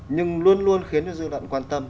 nhưng luôn luôn khiến dư luận quan tâm